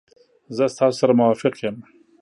زه ستاسو سره موافق یم.